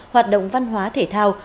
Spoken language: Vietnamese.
hoạt động văn hóa thể thao